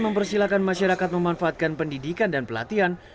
mempersilahkan masyarakat memanfaatkan pendidikan dan pelatihan